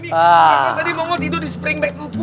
tadi mongol tidur di spring bag